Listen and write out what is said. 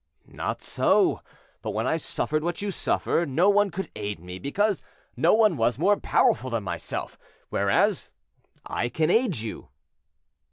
"Not so; but when I suffered what you suffer, no one could aid me, because no one was more powerful than myself, whereas I can aid you."